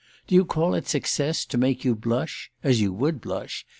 Do you call it success to make you blush—as you would blush!